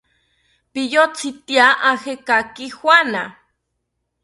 ¿Piyotzi tya ojekaki juana?